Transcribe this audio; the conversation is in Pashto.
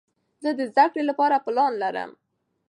زه د زده کړې له پاره پلان لرم.